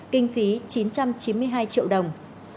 kinh phí chín trăm chín mươi hai triệu đồng